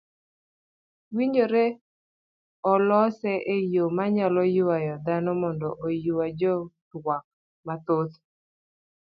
owinjore olose eyo manyalo yuayo dhano mondo oyua jotwak mathoth.